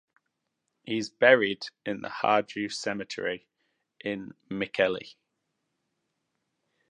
He is buried in the Harju cemetery in Mikkeli.